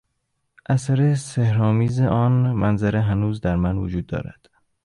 اثر سحرآمیز آن منظره هنوز در من وجود دارد.